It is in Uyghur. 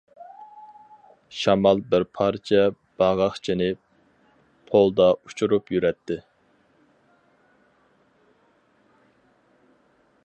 شامال بىر پارچە باغاقچىنى پولدا ئۇچۇرۇپ يۈرەتتى.